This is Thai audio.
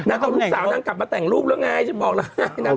เอาลูกสาวนางกลับมาแต่งรูปแล้วไงฉันบอกแล้วไง